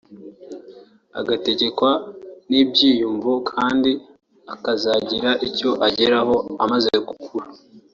udategekwa n’ibyiyumvo kandi akazagira icyo ageraho amaze gukura